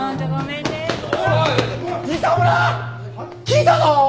聞いたぞ！